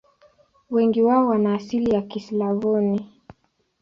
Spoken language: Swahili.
Wengi wao wana asili ya Kislavoni.